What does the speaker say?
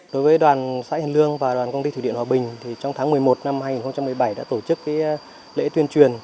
đối với đoàn xã hiền lương và đoàn công ty thủy điện hòa bình trong tháng một mươi một năm hai nghìn một mươi bảy đã tổ chức lễ tuyên truyền